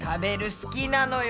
好きなのよ。